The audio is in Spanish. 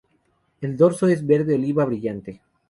El dorso es verde oliva brillante.